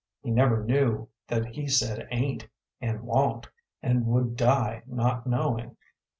He never knew that he said "ain't" and "wa'n't," and would die not knowing.